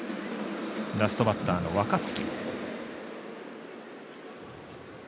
ラストバッターの若月。